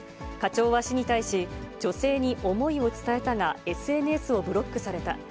課長は市に対し、女性に思いを伝えたが、ＳＮＳをブロックされた。